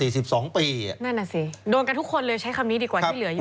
โดนกันทุกคนเลยใช้คำนี้ดีกว่าที่เหลืออยู่